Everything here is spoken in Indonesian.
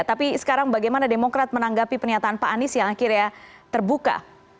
tapi sekarang bagaimana demokrat menanggapi pernyataan pak anies yang akhirnya terbuka